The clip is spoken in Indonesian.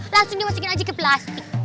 langsung dimasukin aja ke plastik